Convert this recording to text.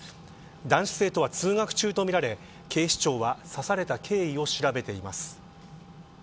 男子生徒は通学中とみられ警視庁は刺された経緯を調べています。